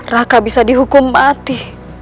raka bisa dihukum mati